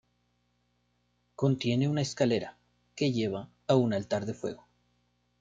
Contiene una escalera que lleva a un altar de fuego.